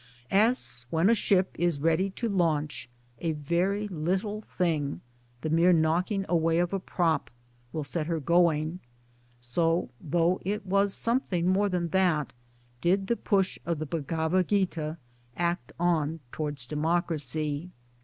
As when a ship is ready to launch, a very little thing, the mere knockingi away of a prop, will set her 'going ; so though it was something more than that did the push of the Bhagavat Gita act on Towards Democracy.